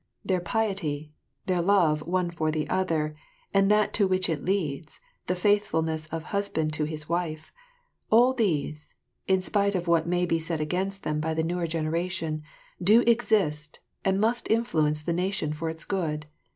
Their piety, their love one for the other and that to which it leads, the faithfulness of husband to his wife all these, in spite of what may be said against them by the newer generation, do exist and must influence the nation for its good.